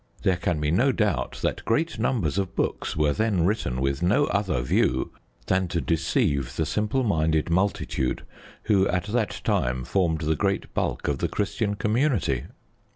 There can be no doubt that great numbers of books were then written with no other view than to deceive the simple minded multitude who at that time formed the great bulk of the Christian community.